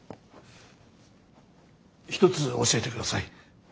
一つ教えてください。